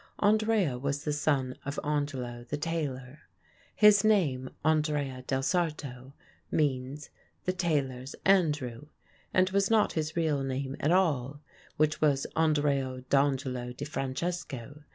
Andrea was the son of Angelo the tailor. His name, Andrea del Sarto, means "the tailor's Andrew," and was not his real name at all, which was Andrea d'Angelo di Francesco.